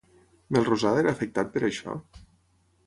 Melrosada era afectat per això?